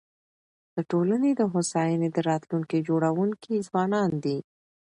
د ټولني د هوساینې د راتلونکي جوړونکي ځوانان دي.